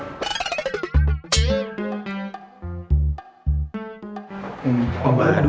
sampai jumpa lagi